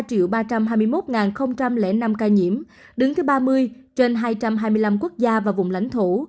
trong đó có hai bốn trăm linh năm ca nhiễm đứng thứ ba mươi trên hai trăm hai mươi năm quốc gia và vùng lãnh thổ